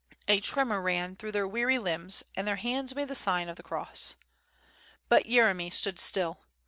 A tremor ran through their weary limbs and their hands made the sign of the cross. But Yeremy stood still.